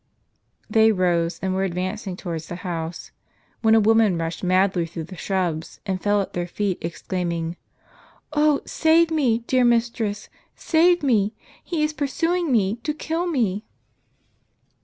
They rose, and were advancing towards the house, when a woman rushed madly through the shrubs, and fell at their feet, exclaiming :" Oh, save me ! dear mistress, save me ! He is pursuing me, to kill me